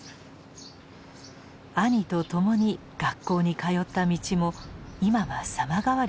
兄と共に学校に通った道も今は様変わりしています。